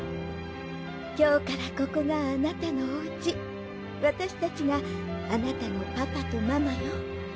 今日からここがあなたのおうわたしたちがあなたのパパとママよ